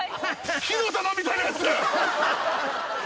火の玉みたいなやつ。